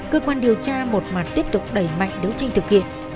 cơ quan điều tra một mặt tiếp tục đẩy mạnh đấu tranh thực hiện